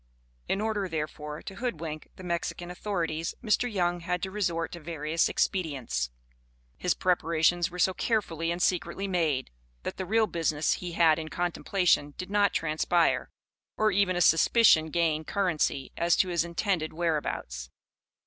In order, therefore, to hoodwink the Mexican authorities, Mr. Young had to resort to various expedients. His preparations were so carefully and secretly made, that the real business he had in contemplation did not transpire, or even a suspicion gain currency as to his intended whereabouts.